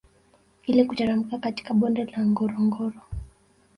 Ili kuteremka katika bonde la ngorongoro